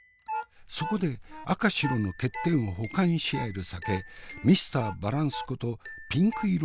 そこで赤白の欠点を補完し合える酒ミスターバランスことピンク色のロゼの出番。